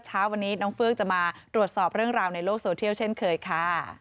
เช้าวันนี้น้องเฟือกจะมาตรวจสอบเรื่องราวในโลกโซเทียลเช่นเคยค่ะ